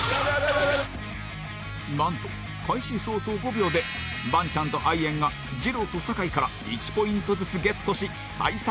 なんと開始早々５秒でバンチャンとアイエンがじろうと酒井から１ポイントずつゲットし幸先